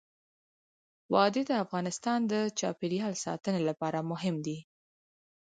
وادي د افغانستان د چاپیریال ساتنې لپاره مهم دي.